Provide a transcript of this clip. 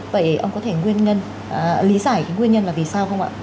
vậy ông có thể nguyên nhân lý giải cái nguyên nhân là vì sao không ạ